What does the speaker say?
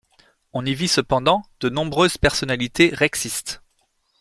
On y vit cependant de nombreuses personnalités rexistes.